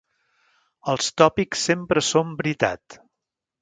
Els tòpics sempre són veritat.